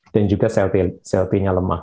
dan juga sel t nya lemah